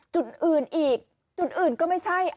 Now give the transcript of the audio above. จุดอื่นอีกจุดอื่นก็ไม่ใช่